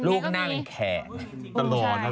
ลูกหน้าเป็นแขก